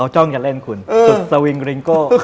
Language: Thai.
จุดสวิงลิงโก้